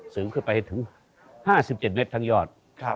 เสริมขึ้นไปถึง๕๗เมตรทั้งยอด